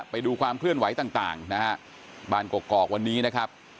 ไปดูความเคลื่อนไหวต่างนะฮะบ้านกอกวันนี้นะครับ